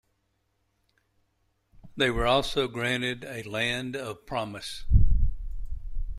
They were also granted a land of promise.